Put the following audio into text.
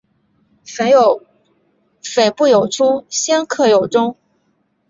靡不有初鲜克有终